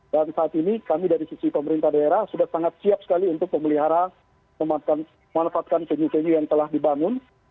dan saat ini kami dari sisi pemerintah daerah sudah sangat siap sekali untuk memelihara memanfaatkan femi femi yang telah dibangun